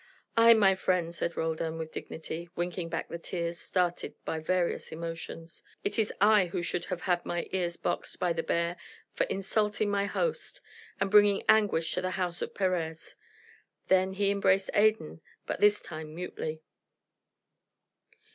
"Ay, my friend," said Roldan, with dignity, winking back the tears started by various emotions. "It is I who should have had my ears boxed by the bear for insulting my host, and bringing anguish to the house of Perez." Then he embraced Adan, but this time mutely.